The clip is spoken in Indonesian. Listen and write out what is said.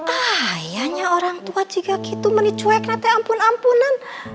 ayahnya orang tua jika gitu menyecuaikan ampun ampunan